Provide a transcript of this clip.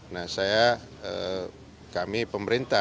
nah saya kami pemerintah